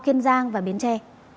kiên giang và biến tre